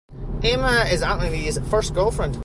Emma is Antony's first girlfriend.